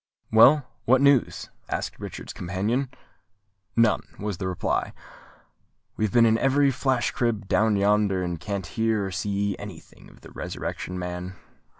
"Well, what news?" asked Richard's companion. "None," was the reply. "We have been in every flash crib down yonder, and can't hear or see any thing of the Resurrection Man."